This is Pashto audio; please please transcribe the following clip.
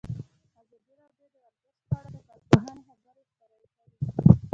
ازادي راډیو د ورزش په اړه د کارپوهانو خبرې خپرې کړي.